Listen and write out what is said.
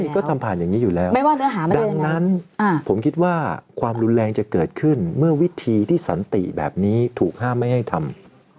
ก็ทำผ่านอย่างนี้อยู่แล้วดังนั้นผมคิดว่าความรุนแรงจะเกิดขึ้นเมื่อวิธีที่สันติแบบนี้ถูกห้ามไม่ให้ทำ